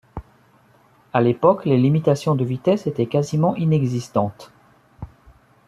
À l'époque les limitations de vitesse étaient quasiment inexistantes.